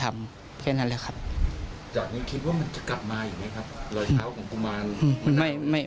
ทำไมเขาจะไม่มา